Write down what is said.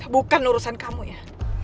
bukan urusan kamu ya